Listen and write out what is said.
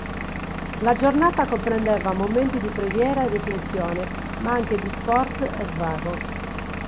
La giornata comprendeva momenti di preghiera e riflessione ma anche di sport e svago.